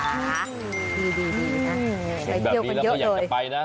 แบบนี้เราก็อย่างจะไปนะ